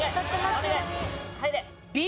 入れ！